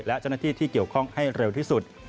และเจ้าหน้าที่ที่เกี่ยวข้องให้เร็วที่สุด